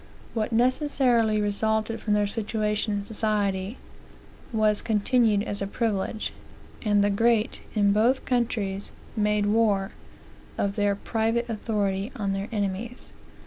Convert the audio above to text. What necessarily resulted from their situation in society, was continued as a privilege; and the great, in both countries, made war, of their private authority, on their enemies.